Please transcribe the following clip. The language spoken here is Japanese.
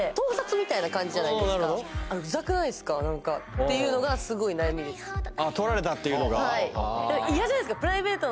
ていうのがすごい悩みですマジ！？